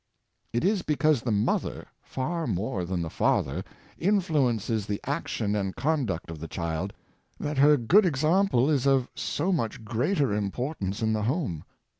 It is because the mother, far more than the father^ influences the action and conduct of the child, that her good example is of so much greater importance in the home.